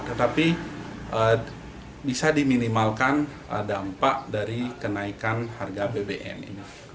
tetapi bisa diminimalkan dampak dari kenaikan harga bbm ini